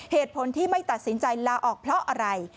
เหตุผลที่ไม่ตัดสินใจลาออกเพราะอะไร